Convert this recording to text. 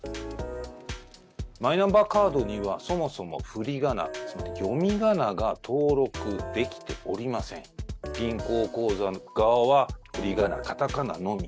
マイナンバーカードにはそもそもふりがな、読み仮名が登録できていません、銀行口座側はふりがな、片仮名のみ。